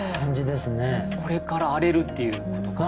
これから荒れるっていうことかな。